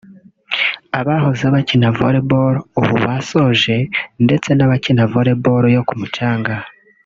abahoze bakina Volleyball ubu basoje ndetse n’abakina Volleyball yo ku mucanga